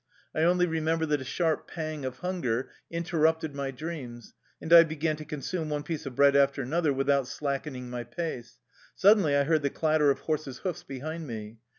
I only remember that a sharp pang of hunger inter rupted my dreams, and I began to consume one piece of bread after another, without slackening my pace. Suddenly I heard the clatter of horse's hoofs behind me.